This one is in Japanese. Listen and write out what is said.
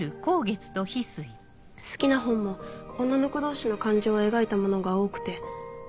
好きな本も女の子同士の感情を描いたものが多くて。